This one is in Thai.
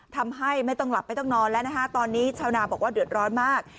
ทำให้ไม่ต้องหลับไม่ต้องนอนแล้วนะคะตอนนี้ชาวนาบอกว่าเดือดร้อนมาก